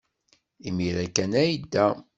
Imir-a kan ay yedda.